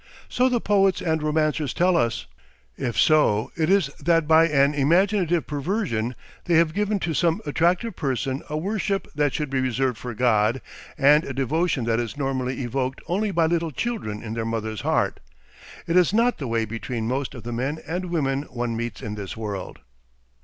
So the poets and romancers tell us. If so, it is that by an imaginative perversion they have given to some attractive person a worship that should be reserved for God and a devotion that is normally evoked only by little children in their mother's heart. It is not the way between most of the men and women one meets in this world.